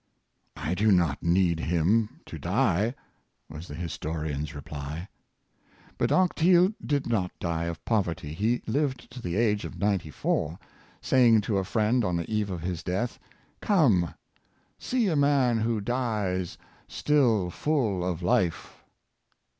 '" "I do not need him to die," was the historian's reply. But Anquetil did not die of poverty; he lived to the age of ninety four, saying to a friend on the eve of his death, " Come, see a man who dies still full of life!"